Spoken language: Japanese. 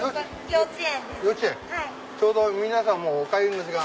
ちょうど皆さんもお帰りの時間。